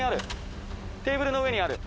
テーブルの上にある。